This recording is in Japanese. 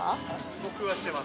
僕はしてます